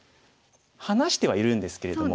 離してはいるんですけれども。